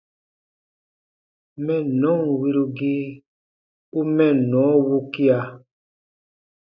Mɛnnɔn wirugii u mɛnnɔ wukia.